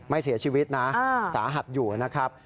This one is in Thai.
เสียชีวิตนะสาหัสอยู่นะครับ